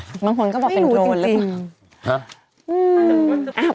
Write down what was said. บางคนก็บอกเป็นโดนหรือเปล่า